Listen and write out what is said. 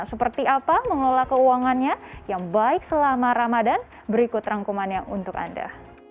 seperti apa mengelola keuangannya yang baik selama ramadan berikut rangkumannya untuk anda